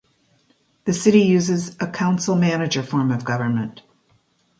The city uses a council-manager form of government.